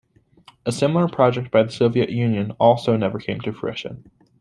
A similar project by the Soviet Union also never came to fruition.